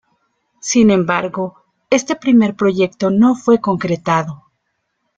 Sin embargo, este primer proyecto no fue concretado.